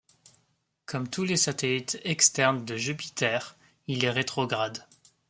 Comme tous les satellites externes de Jupiter, il est rétrograde.